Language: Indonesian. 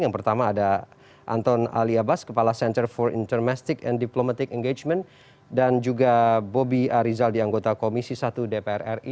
yang pertama ada anton ali abbas kepala center for intermestic and diplomatic engagement dan juga bobi arizal di anggota komisi satu dpr ri